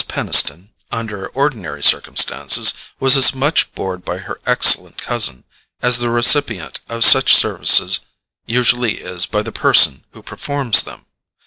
Peniston, under ordinary circumstances, was as much bored by her excellent cousin as the recipient of such services usually is by the person who performs them.